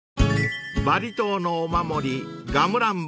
［バリ島のお守りガムランボール］